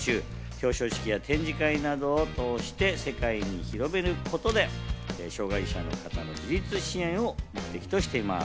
表彰式や展示会などを通して、世間に広めることで障害者の方の自立支援を目的としています。